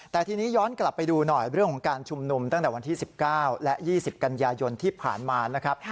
แต่ทีนี้ย้อนกลับไปดูหน่อยเรื่องของการชุมนุมตั้งแต่วันที่๑๙และ๒๐กันยายนที่ผ่านมานะครับ